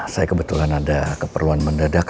saya kebetulan ada keperluan mendadak